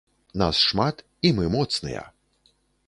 Нас шмат, і мы моцныя.